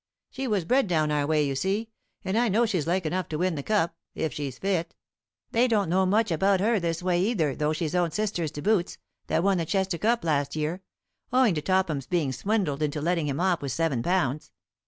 She was bred down our way, you see, and I know she's like enough to win the cup, if she's fit. They don't know much about her this way, either, though she's own sister to Boots, that won the Chester Cup last year, owing to Topham's being swindled into letting him off with seven lbs.